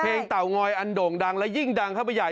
เตางอยอันโด่งดังและยิ่งดังเข้าไปใหญ่